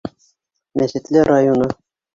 Мәсетле районы: